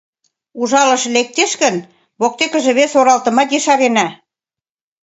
Ужалыше лектеш гын, воктекыже вес оралтымат ешарена.